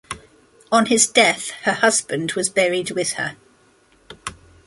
On his death her husband was buried with her.